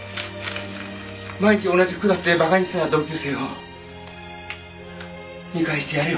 毎日同じ服だって馬鹿にしてた同級生を見返してやれよ。